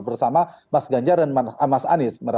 bersama mas ganjar dan mas anies